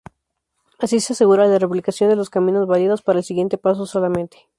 Así se asegura la replicación de los caminos válidos para el siguiente paso solamente.